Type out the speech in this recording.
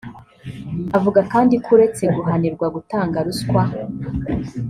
Avuga kandi ko uretse guhanirwa gutanga ruswa